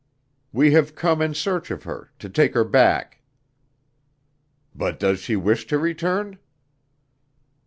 "We have come in search of her to take her back." "But does she wish to return?"